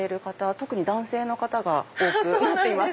特に男性の方が多くなってます。